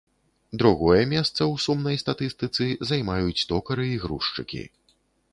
Другое месца ў сумнай статыстыцы займаюць токары і грузчыкі.